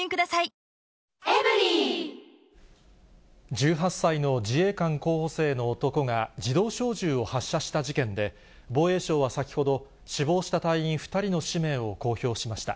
１８歳の自衛官候補生の男が、自動小銃を発射した事件で、防衛省は先ほど、死亡した隊員２人の氏名を公表しました。